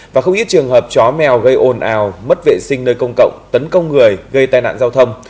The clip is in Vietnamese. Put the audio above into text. và không ít trường hợp chó mèo gây ồn ào mất vệ sinh nơi công cộng tấn công người gây tai nạn giao thông